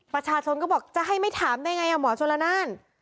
ประชาชนก็บอกจะให้ไม่ถามได้ไงหมอชนละนาน